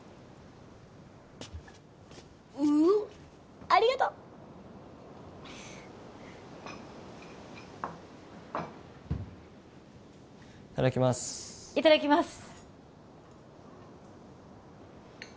うありがとういただきますいただきます